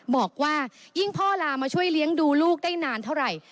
บอกว่ายิ่งพ่อลามาช่วยเลี้ยงดูลูกได้นานเท่าไหร่